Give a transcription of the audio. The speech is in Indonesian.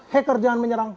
hacker jangan menyerang